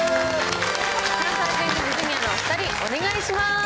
関西ジャニーズＪｒ．のお２人、お願いします。